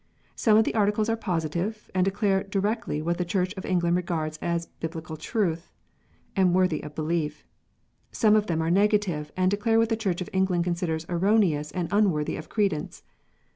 Some of the Articles are positive, and declare directly what the Church of England regards as Bible truth and worthy of belief. Some of them are negative, and declare what the Church of England considers erroneous and unworthy of credence.